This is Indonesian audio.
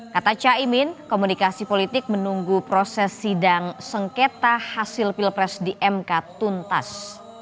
kata caimin komunikasi politik menunggu proses sidang sengketa hasil pilpres di mk tuntas